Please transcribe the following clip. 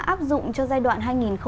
áp dụng cho giai đoạn hai nghìn hai mươi một